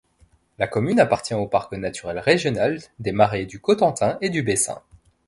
La commune appartient au parc naturel régional des Marais du Cotentin et du Bessin.